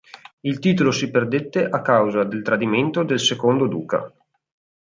Il titolo si perdette a causa del tradimento del secondo duca.